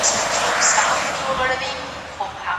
دا هغه لاره ده چې د غنمو پراخو پټیو ته ځي.